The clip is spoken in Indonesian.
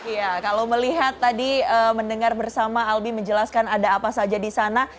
iya kalau melihat tadi mendengar bersama albi menjelaskan ada apa saja di sana